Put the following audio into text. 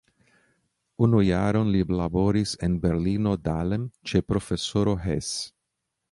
Unu jaron li laboris en Berlino-Dahlem ĉe profesoro Hess.